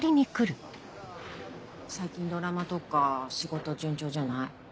最近ドラマとか仕事順調じゃない？